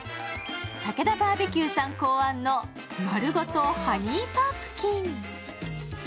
たけだバーベキューさん考案のまるごとハニーパンプキン。